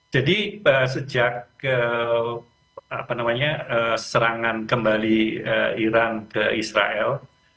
jadi sejak serangan kembali iran ke israel